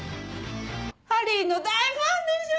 『ハリー』の大ファンでしょ！